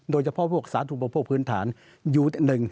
โดยเฉพาะพวกสาธุประโภคพื้นฐานอยู่